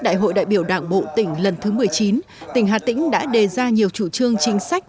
đại hội đại biểu đảng bộ tỉnh lần thứ một mươi chín tỉnh hà tĩnh đã đề ra nhiều chủ trương chính sách